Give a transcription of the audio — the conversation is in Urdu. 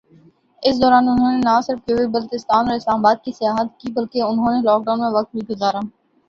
اس دوران انھوں نے نہ صرف گلگت بلستان اور اسلام آباد کی سیاحت کی بلکہ انھوں نے لاک ڈاون میں وقت بھی گزرا۔